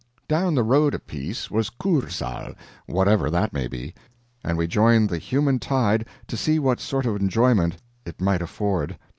Down the road a piece was a Kursaal whatever that may be and we joined the human tide to see what sort of enjoyment it might afford.